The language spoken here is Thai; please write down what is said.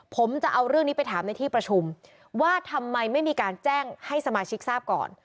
ผมจะเอาเรื่องนี้ไปถามในที่ประชุมว่าทำไมไม่มีการแจ้งให้สมาชิกทราบก่อน